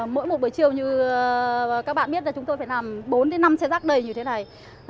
mỗi một buổi chiều như các bạn biết là chúng tôi phải làm bốn năm xe rác đầy như thế này